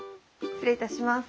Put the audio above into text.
失礼いたします。